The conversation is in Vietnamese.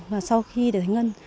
và sau khi để thành ngân